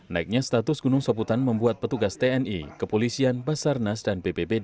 naiknya status gunung soputan membuat petugas tni kepolisian basarnas dan bpbd